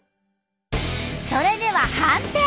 それでは判定。